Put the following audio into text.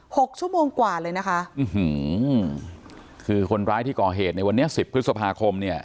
หกชั่วโมงกว่าเลยนะคะอื้อหือคือคนร้ายที่ก่อเหตุในวันนี้สิบพฤษภาคมเนี่ย